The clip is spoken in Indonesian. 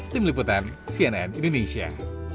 tim liputan cnn indonesia